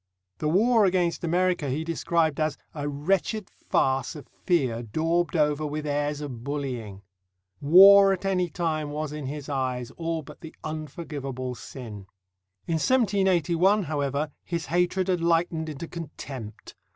The war against America he described as "a wretched farce of fear daubed over with airs of bullying." War at any time was, in his eyes, all but the unforgivable sin. In 1781, however, his hatred had lightened into contempt.